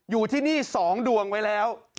อยู่ที่นี่๒ดวงไว้แล้ว